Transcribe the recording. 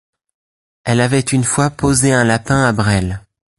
Elle avait une fois posé un lapin à Brel.